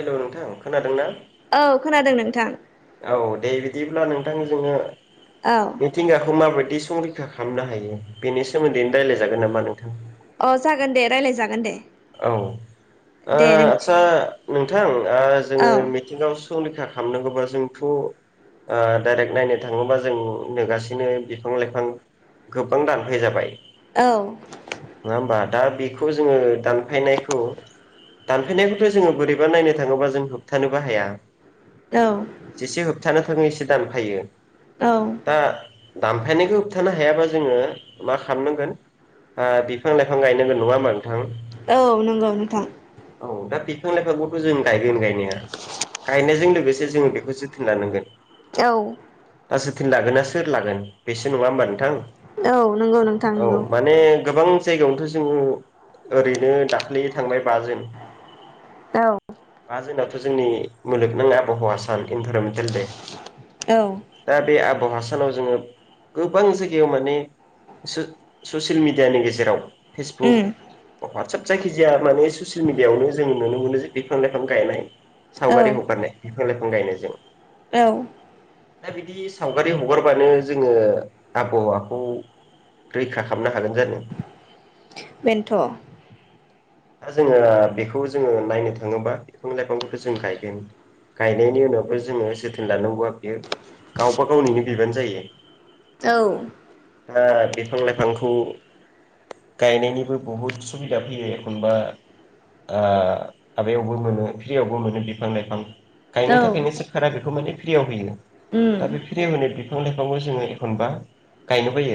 Hello नोंथां खोनादों ना? औ खोनादों नोंथां औ दे बिदिब्ला नोंथां जोङो औ मिथिंगाखौ माबायदि संरैखा खालामनो हायो बेनि सोमोन्दैनो रायलायजागोन नामा नोंथां अ जागोन दे रायलाय जागोन दे औ ओ दे नों आतसा नोंथां ओ औ जोङो मि थिंगायाव संरैखा खालामनांगौबा जोंथ' ओ डाइरेक्ट नायनो थाङोबा जों नेगासिनो बिफां लाइफां गोबां दानफाय जाबाय औ नङा होमबा दा बेखौ जोङो दान फायनायखौ दानफायनायखौथ' जोङो बोरैबा नायनो थाङोबा जों होबथानोबो हाया। औ जेसे होबथानो थाङो एसे दानफायो औ दा दामफायनायखौ होबथानो हायाबा जोङो मा खालामनांगोन ओ बिफां लाइफां गायनांगोन नङा होमबा नोंथां औ नंगौ नोंथां औ दा बिफां लाइफांखौथ' जों गायगोन गायनाया गायनायजों लोगोसे जों बेखौसो जोथोन लानांगोन औ दा जोथोन लागोना सोर लागोन? बेसो नङा होमबा नोंथां? औ नंगौ नोंथां औ नंगौ माने गोबां जायगायावनोथ' जोङो ओरैनो दाख्लै थांनाय बाजोन औ बा जुनाथ'जोंनि मुलुगनाङ आबहावा सान इनभारमेन्टेल दे औ दा बे आबहावा सानाव जोङो गोबां जायगायाव माने सो ससियेल मिडियानि गेजेराव उम फेसबुक बा हाट्सएप जायखिजाया माने ससियेल मिडिआवनो जोङो नुनो मोनो जे बिफां लाइफां गायनाय औ सावगारि हगारनाय बिफां लाइफां गायनायजों औ दा बिदि सावगारि हगारबानो जोङो आबहावाखौ रैखा खालामनो हागोन जानो? बेनोथ' दा जोङो बेखौ जोङो नायनो थाङोबा बिफां लाइफांफोरखौ जों गायगोन। गायनायनि उनावबो जोङो जोथोन लानांगौआ बियो। गावबा गावनिनो बिबान जायो। औ। दा बिफां लाइफांखौ गायनायनिबो बहुद सुबिदा फैयो। एखनबा ओ माबायावबो मोनो फ्रियावबो मोनो बिफां लाइफां। गायनो थाखायनो सरखारा बेखौ फ्रियाव होयो उम दा बे फ्रियाव होनाय बिफां लाइफांखौ जोङो एखनबा गायनो बायो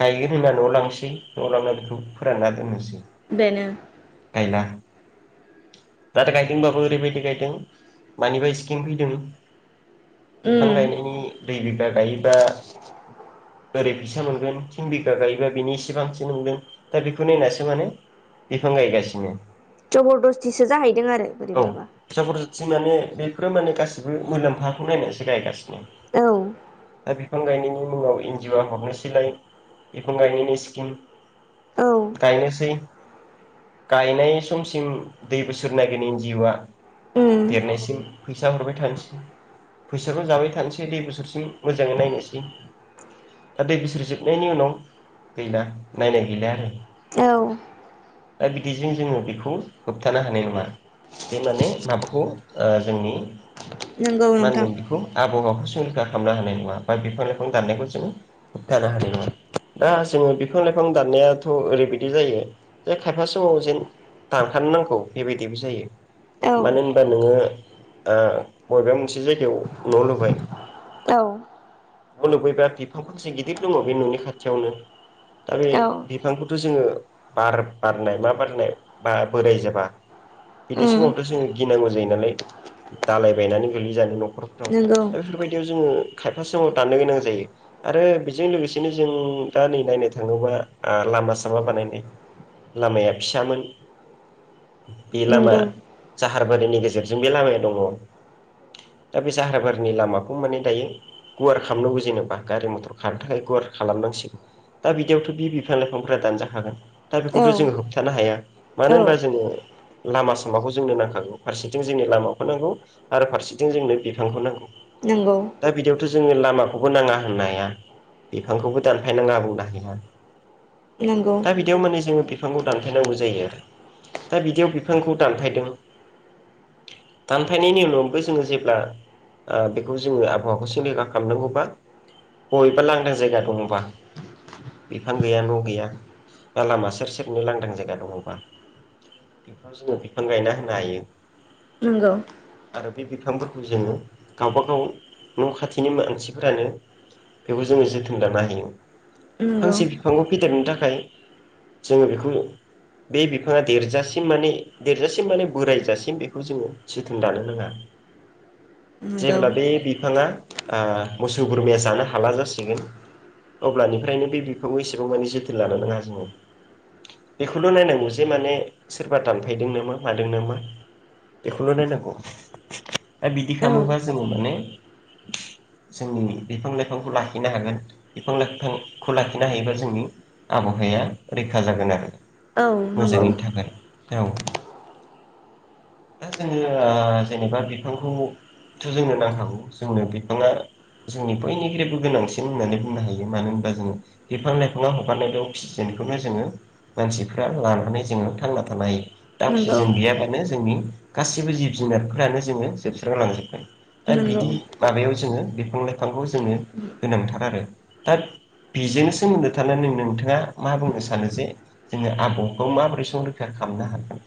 गायगोन होनना न'आव लांनोसै न'आव लांनानै बेखौ फोरानना दोननोसै। बेनो। गायला। दा गायदोंबाबो ओरैबायदि गायदों मानिबा सिकिम फैदों। उम बिफां गायनायनि दुइ बिगा गायोबा ओरै फैसा मोनगोन थिन बिगा गायोबा बिनि इसेबांसि मानगोन दा बेखौ नायनासो माने बिफां गायगासिनो जबरदस्थिसो जाहैदों आरो बोरैबाबा। जबरदस्थि माने बेफोरो माने गासिबो मुलाम्फाखौ नायनानैसो गायगासिनो औ। दा बिफां गायनायनि मुङाव एन जिअ आ हरनोसैलाय बिफां गायनायनि स्किम। औ गायनोसै। गायनाय समसिम दुइ बोसोर नायगोन इन जिअ आ उम देरनायसिम फैसा हरबाय थानोसै। फैसाखौ जाबाय थानोसै दुइ बोसोरसिम मोजाङै नायनोसै। दा दुइ बोसोर जोबनायनि उनाव गैला नायनाय गैला आरो। औ। दा बिदिजों जोङो बेखौ होबथानो हानाय नङा। जे माने माबाखौ ओ जोंनि नंगौ मा नोंथां होनगोन बेखौ आबहावाखौ संरैखा खालामना हानाय नङा बा बिफां लाइफां दाननायखौ जोङो होबथानो हानाय नङा दा जोङो बिफां लाइफां दाननायाथ' ओरैबायदि जायो। जे खायफा समाव जेन दानखानो नांगौ बेबायदिबो जायो। औ मानो होनबा नोङो ओ बबेबा मोनसे जायगायाव न' लुबाय औ। मुलुग बिबार बिफां फांसे गिदिर दङ। बे न'नि खाथियावनो दा बे औ बिफ फांखौथ' जोङो बार बारनाय मा बारनाय बा बोराय जाबा। बिदि उम समावथ' जों गिनांगौ जायो नालाय दालाय बायनानै गोलै जानो न' खरफोराव नंगौ दा बेफोरबायदियाव जोङो खायफा समाव दाननो गोनां जायो। आरो बेजों लोगोसेनो जों दा नै नायनो थाङोबा आ लामा सामा बानायनाय। लामाया फिसामोन बे लामा नंगौ जाहार बारिनि गेजेरजों बे लामाया दङ। दा बे जाहार बारिनि लामाखौ माने दायो। गुवार खामनांगौ जेनेबा गारि मथर खारनो थाखाय गुवार खालाम नांसिगौ। दा बिदियावथ' बि बिफां लाइफांफ्रा दानजा खागोन दा औ बेखौथ' जोङो होब थानो हाया मानो औ होमबा जोङो लामा सामाखौ जोंनो नांखागौ फारसेथिं जोंनो लामाखौ नांगौ। आरो फारसेथिं जोंनो बिफांखौ नांगौ। नोंगौ। दा बिदियावथ' जोंनो लामाखौबो नाङा होननो हाया। बिफांखौबो दानफाय नाङा बुंनो हाया। नंगौ दा बिदियाव माने जोङो बिफांखौ दानफाय नांगौ जायो आरो। दा बिदियाव बिफांखौ दानफायदों। दानफायनायनि उनावबो जोङो जेब्ला ओ बेखौ जोङो आबहावाखौ सिलिंखार खामनांगौबा बबेबा लांदां जायगा दङ'बा बिफां गैया न' गैया बा लामा [unintelligible] सेबनो लांदां जायगा दङ'बा बेफोराव जोङो बिफां गायना होनो हायो। नोंगौ। आरो बे बिफांफोरखौ जोङो गावबागाव न' खाथिनि मानसिफोरानो बेबो जोङो जोथोन लानो हायो। नंगौ फांसे बिफांखौ फेदेरनो थाखाय जोङो बेखौ बे बिफाङा देरजासिम माने देरजासिम माने बोरायजासिम बेखौ जोङो जोथोन लानो नाङा। नंगौ जेब्ला बे बिफाङा आ मोसौ बोरमाया जानो हाला जासिगोन। अब्लानिफ्रायनो बे बिफांखौ एसेबां माने जोथोन लानो नङा जोंनो। बेखौल' नायनांगौ जे माने सोरबा दानफायदों नामा मादों नामा। बेखौल' नायनांगौ दा बिदि औ खामोबा जोङो माने जोंनि बिफां लाइफांखौ लाखिनो हागोन बिफां लाइफांखौ लाखिनो हायोबा जोंनि आबहावाया रैखा जागोन आरो औ नंगौ मोजाङैनो थागोन। औ दा जोङो ओ जेनेबा बिफांखौ थ' जोंनो नांखागौ जोंनो बिफाङा जोंनि बयनिख्रुयबो गोनांसिन होननानै बुंनो हायो। मानो होमबा जोङो बिफां लाइफाङा हगारनाय बे अक्सिजेन खौनो जोङो मानसिफ्रा लानानै जोङो थांना थानो हायो। [unintelligible] नंगौ जेन गैयाबानो जोंनि गासैबो जिब जुनारफ्रानो जोङो जोबस्रां लांजोबगोन। दा नंगौ बिदि माबायाव जोङो बिफां लाइफांखौ जोंनो गोनांथार आरो दा बेजोंनो सोमोन्दो थानानै नों-नोंथाङा मा बुंनो सानो जे जोंनो आबहावाखौ माबोरै संरैखा खामनो हागोन।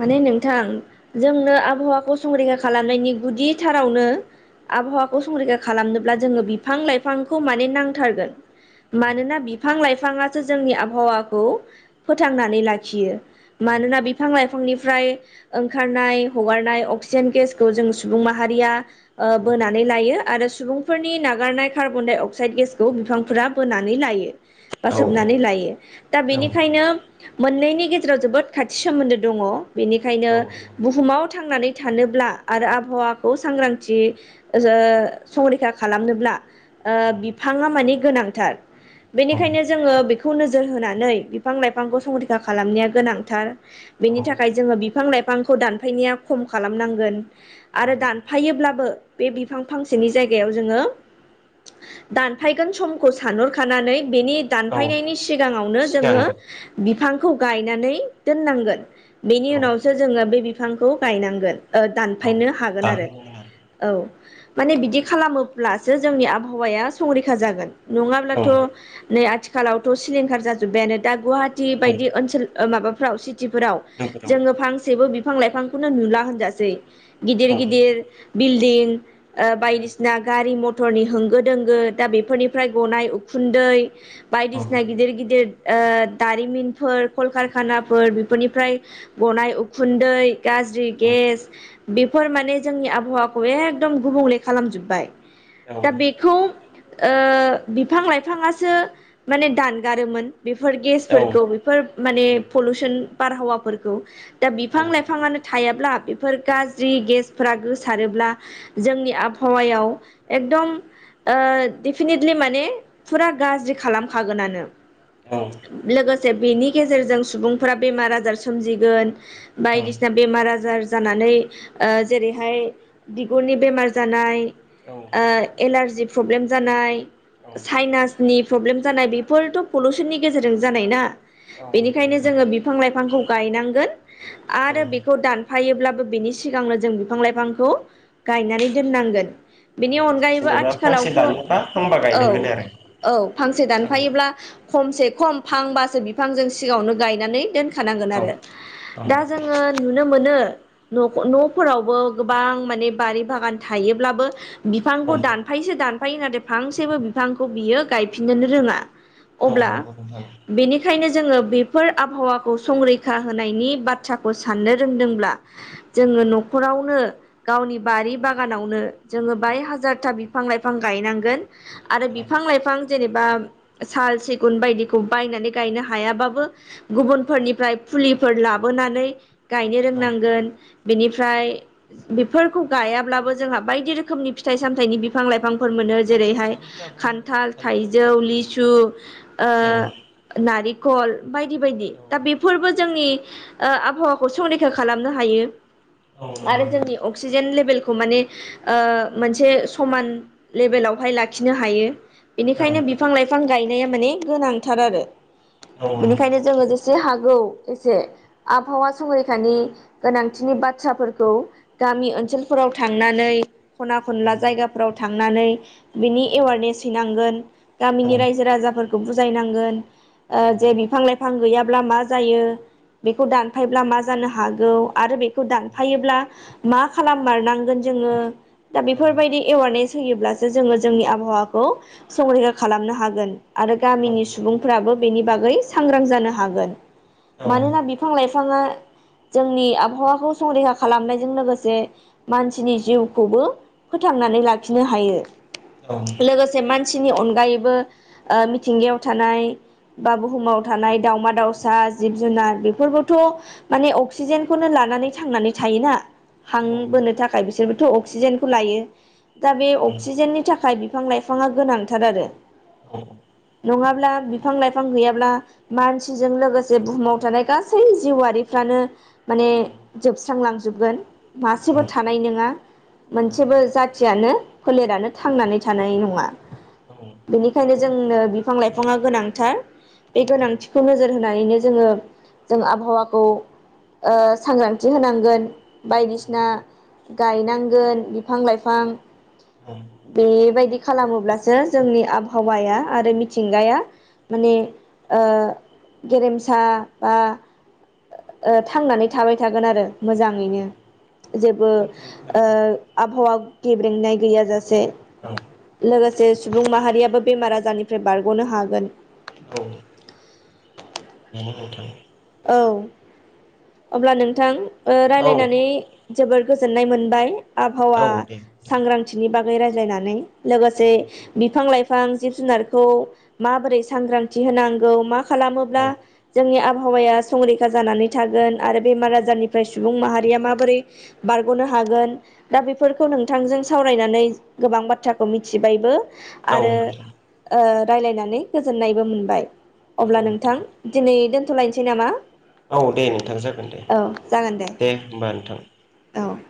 माने नोंथां जोंनो आबहावाखौ संरैखा खालामनायनि गुदि थारावनो आबहावाखौ संरैखा खालामनोब्ला जोङो बिफां लाइफांखौ माने नांथारगोन। मानोना बिफां लाइफाङासो जोंनि आबहावाखौ फोथांनानै लाखियो। औ मानोना बिफां लाइ फांनिफ्राय ओंखारनाय हगारनाय अक्सिजेन गेसखौ जों सुबुं माहारिया ओ औ बोनानै लायो आरो सुबुं फोरनि नागारनाय कार्बनडाइ अक्साइड गेसखौ बिफांफोरा बोनानै लायो। बा औ नंगौ औ सोबनानै लायो दा बेनिखायनो मोननैनि गेजेराव जोबोद खाथि सोमोन्दो दङ। बेनिखायनो बुहुमाव थांनानै थानोब्ला आरो आबहावाखौ सांग्रांथि जोङो संरैखा खालामनोब्ला ओ बिफाङा माने गोनांथार औ बेनिखायनो जोङो बे खौ नोजोर होनानै बिफां-लाइफांखौ संरैखा खालामनाया गोनांथार औ बेनि थाखाय जोङो बिफां-लाइफांखौ दानफायनाया खम खालामनांगोन औ आरो दानफायोब्लाबो बे बिफां फांसेनि जायगायाव जोङो दानफायगोन समखौ सानहरखानानै बेनि औ दानफायनायनि सिगाङावनो सिगां जोङो बिफांखौ गायनानै दोननांगोन। बेनि औ उनावसो जोङो बे बिफांखौ गायनांगोन ओ औ दानफायनो हागोन आरो। दानहैयोमोन औ माने बिदि खालामोब्लासो जोंनि आबहावाया संरैखा जागोन। आरो औ नङाब्लाथ' नै आथिखालावथ' सिलिंखार जाजोब्बायानो दा गुवाहाटी औ बायदि ओनसोल ओ माबाफ्राव सिटिफोराव नोगोराव जोङो फांसेबो बिफां-लाइफांखौनो नुला होनजासै। औ गिदिर गिदिर बिल्डिं ओ औ बायदिसिना गारि म मटरनि होंगो दोंगो दा बेफोरनिफ्राय गनाय उखुन्दै औ बायदिसिना गिदिर गिदिर ओ दारिमिनफोर कलकारखानाफोर बेफोरनिफ्राय गनाय उखुन्दै गाज्रि गेस बेफोर माने जोंनि आबहावाखौ एखदम गुबुंले खालामजोब्बाय। दा बे खौ ओ बिफां-लाइफाङासो माने दानगारोमोन। बेफोर औ गेसफोरखौ बेफोर माने औ पलुसन बारहावाफोरखौ। दा नंगौ बिफां-लाइफाङानो थायाब्ला बेफोर गाज्रि गेसफोरा गोसारोब्ला जोंनि आबहावायाव एकदम ओ डेफिनेटलि माने फुरा गाज्रि खालाम खागोननानो। औ लोगोसे बेनि गेजेरजों सुबुंफोरा बेमार-आजार सोमजिगोन। बायदिसिना बेमार-आजार जानानै ओ जेरैहाय बिगुरनि बेमार जानाय ओ एलारजि प्रब्लेम जानाय सायनासनि प्रब्लेम जानाय बेफोरथ' पलुसननि गेजेरजों जानाय ना बेनिखायनो नोंथां जोङो बिफां-लाइफांखौ गायनांगोन औ आरो बे खौ दानफायोब्लाबो बेनि सिगांनो जों बिफां-लाइफांखौ गायनानै दोननांगोन। बेनि अनगायैबो जेनेबा फांसे आथिखालावथ' दानोबा फांबा औ गायनांगोन औ फांसे आरो औ दानफायोब्ला खमसे खम फांबासो बिफांजों सिगाङावनो गायनानै दोनखानांगोन। औ औ दा जोङो नुनो मोनो न' न'फोरावबो गोबां माने बारि बागान थायोब्लाबो औ बिफांखौ दानफायोसो दानफायो नाथाय फांसेबो बिफांखौ बियो गायफिनोनो रोङा। औ अब्ला नंगौ नोंथां बेनिखायनो जोङो बेफोर आबहावाखौ संगरै खा होनायनि बाथ्राखौ साननो रोंदोंब्ला औ जोङो न'खरावनो गावनि बारि बागानावनो जोङो बाय हाजारथा बिफां-लाइफां गायनांगोन। आरो औ बिफां-लाइफां जेनेबा साल सिगुन बायदिखौ बायनानै गायनो हायाबाबो गुबुनफोरनिफ्राय फुलिफोर लाबोनानै गायनो औ रोंनांगोन। बिनिफ्राय बेफोरखौ गायाब्लाबो जोंहा बायदि रोखोमनि फिथाइ सामथायाइनि बि बिफां लाइफांफोर मोनो खान्थाल जेरैहाय थाइजौफोराबो खान्थाल, थायोना थाइजौ, नोंथां लिसु ओ नारिखल बायदि बायदि औ दा बि फोर जोंनि ओ आबहावाखौ संरैखा खालामनो हायो औ नंगौ आरो नोंथां जोंनि अ क्सिजेन लेभेलखौ माने ओ मोनसे समान लेभेलावहाय लाखिनो हायो। बेनिखायनो बिफां लाइफां गायनाया माने गोनांथार आरो औ बिनिखायनो नंगौ जोङो जेसे हा गौ एसे आबहावा संरैखानि गोनांथिनि बाथ्राफोरखौ गामि ओनसोलफोराव थांनानै खना औ खनला जायगाफोराव थांनानै बिनि एवारनेस हैनांगोन औ गामिनि रायजो राजाफोरखौ बुजायनांगोन जे बिफां लाइफां गैयाब्ला मा जायो बेखौ दानफायोब्ला मा जानो हागौ आरो बेखौ दानफायोब्ला मा खालाम मारनांगोन जोङो दा बेफोरबायदि एवारनेस होयोब्लासो जोङो जोंनि आबहावाखौ संरैखा खालामनो हागोन। आरो औ औ औ गामिनि सुबुंफोराबो बेनि बागै सांग्रां जानो हागोन। नंगौ औ मानोना बिफां लाइफाङा जोंनि आबहावाखौ संरैखा खालामनायजों लोगोसे मानसिनि जिउखौबो फोथांनानै लाखिनो हायो औ लोगो से मानसिनि अनगायैबो ओ मिथिंगायाव थानाय बा बुहुमाव थानाय दावमा दाउ सा जिब जुनार बेफोरबोथ' माने अक्सिजेनखौनो लानानै थांनानै थायोना। हां बोनो थाखाय बिसोरबोथ' अक्सिजेनखौ लायो दा बे अक्सिजेननि थाखाय बिफां लाइफाङा गोनांथार आरो। औ [inaudible] नङाब्ला बिफां लाइफां गैयाब्ला मानसि जों लोगोसे बुहुमाव थानाय गासै जिउआारिफ्रानो माने जोबस्रांलांजोबगोन। औ मासेबो थानाय नोङा मोनसेबो जाथियानो फोलेरानो थांनानै थानाय नङा। उम बेनिखायनो जोंनो बिफां लाइफाङा गोनांथार बे औ गोनांथि होननानैनो जोङो जों आबहावाखौ ओ सांग्रांथि होनांगोन। बायदिसिना गायनांगोन बिफां लाइफां ओम बेबायदि खालामोब्लासो जोंनि आबहावाया आरो मिथिंगाया माने ओ गेरेमसा बा ओ थांनानै थाबाय थागोन आरो मोजाङैनो जेबो सोमखोरैनो थाबाय ओ थागोन आबहावा गेब्रेंनाय गैयाजासे। औ लोगोसे सुबुं माहारियाबो बेमार आजारनिफ्राय बारग'नो हागोन। औ नंगौ नोंथां औ अब्ला नोंथां ओ औ रायलायनानै जोबोर गोजोननाय मोनबाय आबहावा औ दे औ सांग्रांथिनि बागै रायज्लायनानै। औ लोगोसे बिफां लाइफां जिब जुनारखौ माबोरै सांग्रांथि होनांगौ मा खालामोब्ला औ जोंनि आबहावाया संरैखा जानानै थागोन आरो बेमार आजारनिफ्राय सुबुं माहारिया माबोरै बारग'नो हागोन दा बेफोरखौ नोंथांजों सावरायनानै गोबां बाथ्राखौ मिथिबायबो नोंथां औ आरो नोंथां ओ रायलायनानै गोजोननायबो मोनबाय अब्ला नोंथां दिनै दोन्थ'लायनोसै नामा? औ दे नोंथां जागोन दे औ जागोन दे होमबा नोंथां। औ